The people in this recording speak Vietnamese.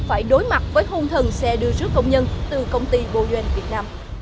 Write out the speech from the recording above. phải đối mặt với khung thần xe đưa rước công nhân từ công ty boeing việt nam